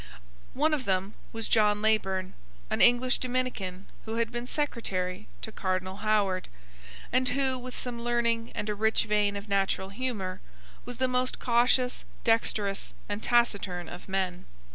One of them was John Leyburn, an English Dominican, who had been secretary to Cardinal Howard, and who, with some learning and a rich vein of natural humour, was the most cautious, dexterous, and taciturn of men.